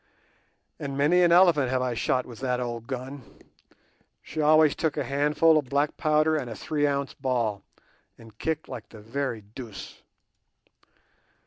And many an elephant have I shot with that old gun. She always took a handful of black powder and a three ounce ball, and kicked like the very deuce.